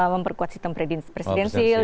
memperkuat sistem presidensil